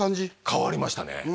変わりましたね